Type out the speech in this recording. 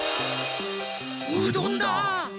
うどんだ！